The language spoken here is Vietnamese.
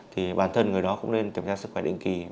thì bản thân người đó cũng nên kiểm tra sức khỏe định kỳ